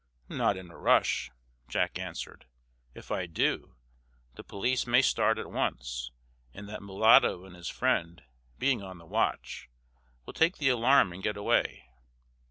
"Not in a rush," Jack answered. "If I do, the police may start at once, and that mulatto and his friends, being on the watch, will take the alarm and get away.